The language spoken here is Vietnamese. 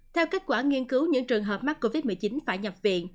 theo kết quả nghiên cứu những trường hợp mắc covid một mươi chín phải nhập viện